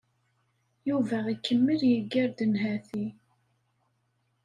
Yuba ikemmel yeggar-d nnhati.